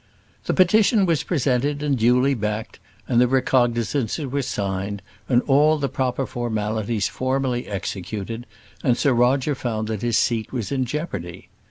The petition was presented and duly backed; the recognisances were signed, and all the proper formalities formally executed; and Sir Roger found that his seat was in jeopardy.